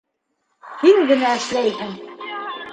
Һин генә эшләйһең!